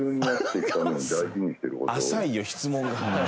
浅いよ質問が。